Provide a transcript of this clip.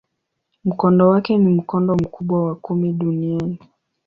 Mkondo wake ni mkondo mkubwa wa kumi duniani.